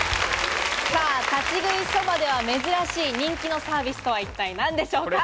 立ち食いそばでは珍しい人気のサービスとは一体何でしょうか。